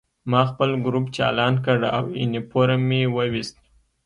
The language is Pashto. ما خپل ګروپ چالان کړ او یونیفورم مې وویست